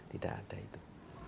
tidak ada itu